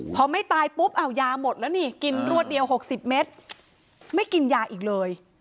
พอไม่ตายปุ๊บเอายาหมดแล้วนี่กินรวดเดียว๖๐เมตรไม่กินยาอีกเลย